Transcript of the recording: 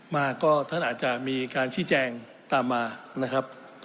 มาก็ท่านอาจจะมีการชี้แจงตามมา